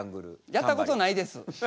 やったことないです。